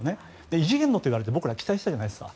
異次元といわれて僕ら、期待したじゃないですか。